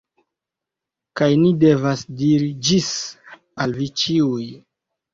Kaj ni devas diri "Ĝis" al vi ĉiuj.